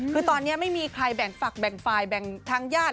คือตอนนี้ไม่มีใครแบ่งฝักแบ่งฝ่ายแบ่งทางญาติ